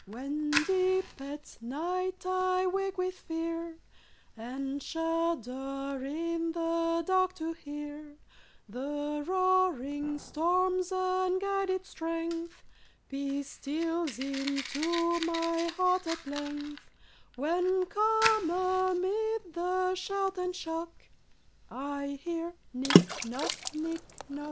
When deep at night I wake with fear, And shudder in the dark to hear The roaring storm's unguided strength, Peace steals into my heart at length, When, calm amid the shout and shock, I hear, Nic noc, nic noc.